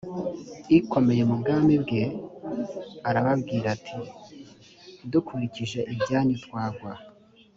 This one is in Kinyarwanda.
ikomeye mu bwami bwe arababwira ati dukurikije ibyanyu twagwa